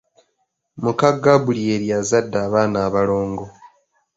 Muka Gabulyeri azadde abaana abalongo.